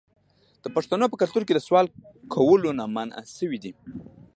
د پښتنو په کلتور کې د سوال کولو نه منع شوې ده.